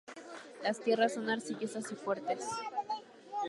Las tierras son arcillosas y fuertes.